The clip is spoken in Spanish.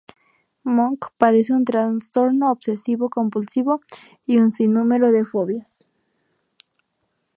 Monk padece un trastorno obsesivo-compulsivo y un sinnúmero de fobias.